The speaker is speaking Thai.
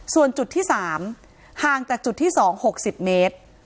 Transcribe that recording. ส่วนจุดที่๓ห่างจากจุดที่๒๖๐เมตร